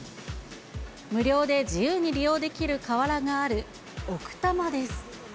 無料で自由に利用できる河原がある奥多摩です。